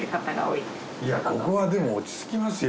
いやここはでも落ち着きますよ。